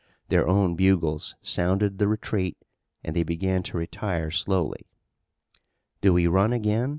Their own bugles sounded the retreat and they began to retire slowly. "Do we run again?"